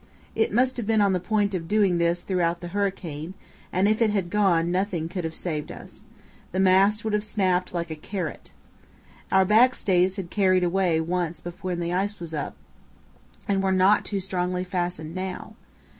It must have been on the point of doing this throughout the hurricane, and if it had gone nothing could have saved us; the mast would have snapped like a carrot. Our backstays had carried away once before when iced up and were not too strongly fastened now.